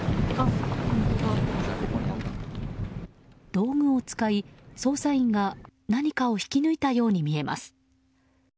道具を使い、捜査員が何かを引き抜いたように見えます。